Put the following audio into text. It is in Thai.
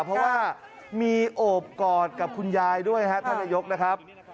เพราะว่ามีโอบกอดกับคุณยายด้วยครับท่านนายกนะครับ